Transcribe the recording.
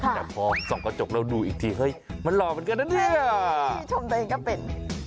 แต่พอส่องกระจกแล้วดูอีกทีเฮ้ยมันหล่อเหมือนกันนะเนี่ยที่ชมตัวเองก็เป็น